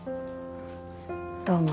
どうも。